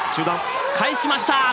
返しました。